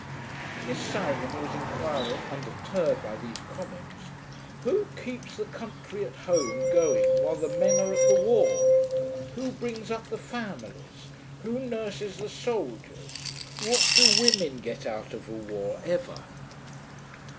Miss Simon was inquiring, undeterred by these comments, 'Who keeps the country at home going while the men are at the war? Who brings up the families? Who nurses the soldiers? What do women get out of a war, ever?'